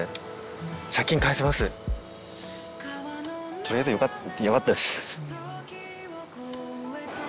取りあえずよかったです。